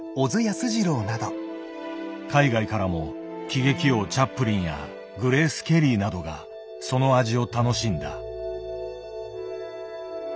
海外からも喜劇王チャップリンやグレース・ケリーなどがその味を楽しんだ。